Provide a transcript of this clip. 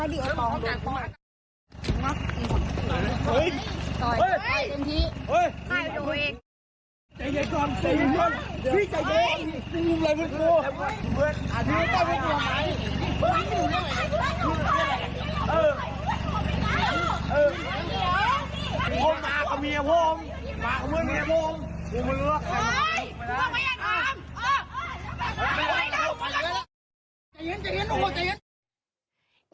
ยินโรค่ามันตาย